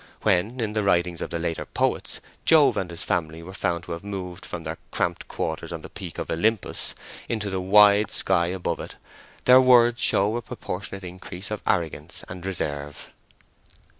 When, in the writings of the later poets, Jove and his family are found to have moved from their cramped quarters on the peak of Olympus into the wide sky above it, their words show a proportionate increase of arrogance and reserve.